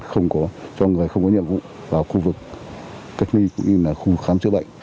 không có nhiễm